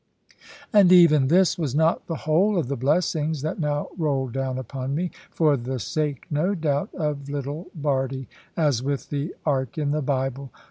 And even this was not the whole of the blessings that now rolled down upon me, for the sake, no doubt, of little Bardie, as with the ark in the Bible.